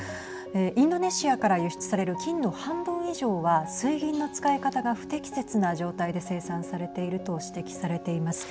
インドネシアから輸出される金の半分以上は水銀の使い方が不適切な状態で生産されていると指摘されています。